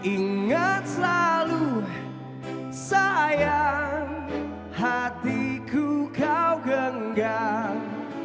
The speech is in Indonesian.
ingat selalu sayang hatiku kau genggam